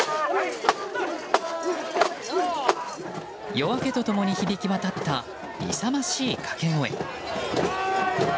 夜明けと共に響き渡った勇ましい掛け声。